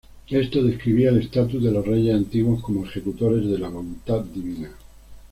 Esto describía el estatus de los reyes antiguos como ejecutores de la voluntad divina.